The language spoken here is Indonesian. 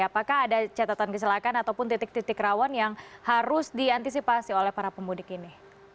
apakah ada catatan kecelakaan ataupun titik titik rawan yang harus diantisipasi oleh para pemudik ini